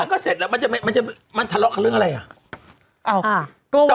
มันก็เสร็จแล้วมันจะไม่มันจะมันทะเลาะกับเรื่องอะไรอ่ะอ้าวอ่า